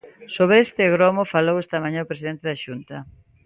Sobre este gromo falou esta mañá o presidente da Xunta.